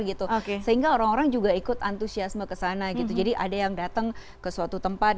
gitu sehingga orang orang juga ikut antusiasme ke sana gitu jadi ada yang datang ke suatu tempat